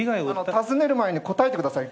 尋ねる前に答えてください。